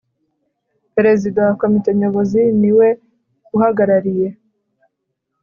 Perezida wa Komite Nyobozi ni we uhagarariye